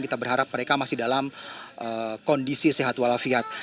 kita berharap mereka masih dalam kondisi sehat walafiat